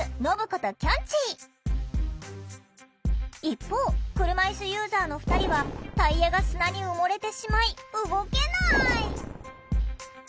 一方車いすユーザーの２人はタイヤが砂に埋もれてしまい動けない。